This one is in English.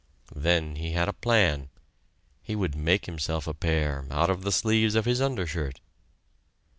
Then he had a plan he would make himself a pair out of the sleeves of his undershirt.